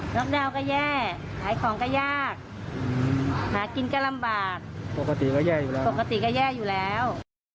ล็อกดาวน์ก็แย่ขายของก็ยากหากินก็ลำบากปกติก็แย่อยู่แล้วปกติก็แย่อยู่แล้ว